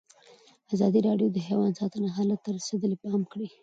ازادي راډیو د حیوان ساتنه حالت ته رسېدلي پام کړی.